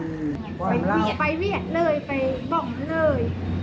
ไปเวียดไปเวียดเลยไปบ่งเลย